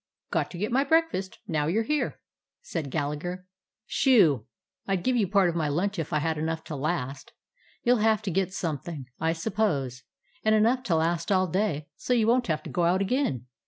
"Got to get my breakfast, now you 're here," said Gallagher. "Sho! I 'd give you part of my lunch, if I had enough to last. You will have to get something, I suppose, and enough to last all day, so you won't have to go out again.